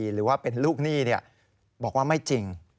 หรือว่าเป็นลูกหนี้บอกว่าไม่จริง